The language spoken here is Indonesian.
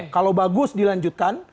kalau bagus dilanjutkan